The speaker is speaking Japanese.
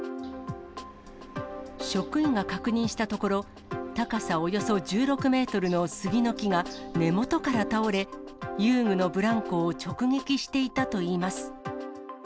職員が確認したところ、高さおよそ１６メートルの杉の木が根元から倒れ、遊具のブランコを直撃していたといいます。